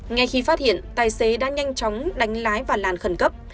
ngay khi phát hiện tài xế đã nhanh chóng đánh lái và làn khẩn cấp